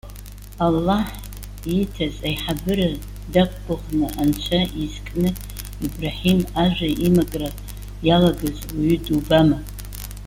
Аллаҳ, ииҭаз аиҳабыра дақәгәыӷны Анцәа изкны Ибраҳим ажәа имакра иалагаз ауаҩы дубама!